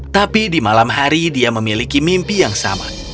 tapi di malam hari dia memiliki mimpi yang sama